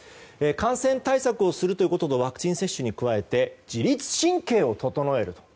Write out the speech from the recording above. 感染対策をすることとワクチン接種をすることに加えて自律神経を整える。